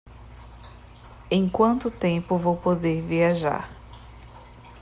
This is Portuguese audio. em quanto tempo vou poder viajar